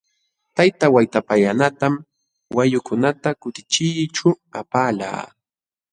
Tayta Waytapallanatam wayukunata kutichiyćhu apalqaa.